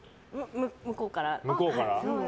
向こうから。